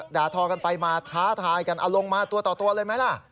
ด่าทอกันไปมาท้าทายกันเอาลงมาตัวต่อตัวเลยไหมล่ะ